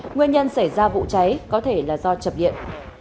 nguyên nhân xảy ra vụ cháy có thể là do chập điện